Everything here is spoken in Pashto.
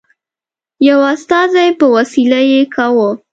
یوه استازي په وسیله یې کاوه.